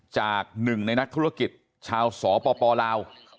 จากหนึ่งในนักธุรกิจชาวสปลาว